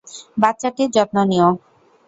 বাচ্চাটির যত্ন নিও।